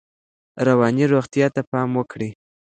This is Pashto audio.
رواني روغتیا ته پام وکړئ.